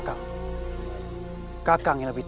kakak yang lebih terhormat adalah kakak yang lebih terhormat